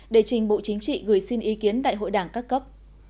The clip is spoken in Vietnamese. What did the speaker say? để trình bộ chính trị gửi xin ý kiến đại hội đảng các cấp